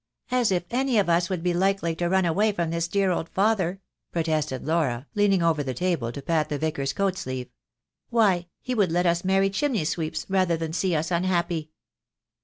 As if any of us would be likely to run away from this dear old father?" protested Laura, leaning over the table to pat the Vicar's coat sleeve. "Why, he would let us marry chimney sweeps rather than see us unhappy."